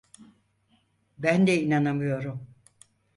Ben de inanamıyorum.